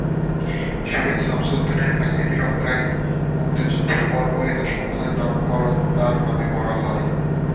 শহীদ শামসুদ্দিনের স্মৃতি রক্ষায় মুক্তিযুদ্ধের পরপরই হাসপাতালের নামকরণ তাঁর নামে করা হয়।